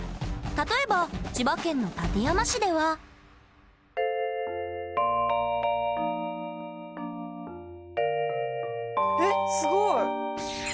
例えば千葉県の館山市ではえっすごい。